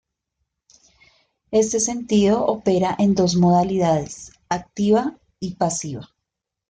Este sentido opera en dos modalidades: activa y pasiva.